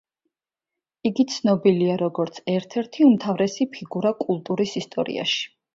იგი ცნობილია, როგორც ერთ-ერთი უმთავრესი ფიგურა კულტურის ისტორიაში.